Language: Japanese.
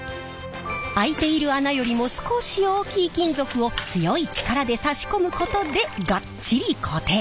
開いている穴よりも少し大きい金属を強い力で差し込むことでガッチリ固定。